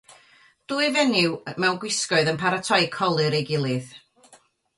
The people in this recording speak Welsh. Dwy fenyw mewn gwisgoedd yn paratoi colur ei gilydd.